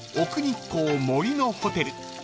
日光森のホテル］